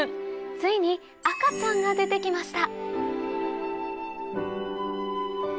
ついに赤ちゃんが出て来ました